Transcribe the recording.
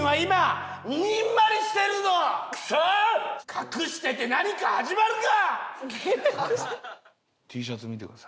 隠してて何か始まるか！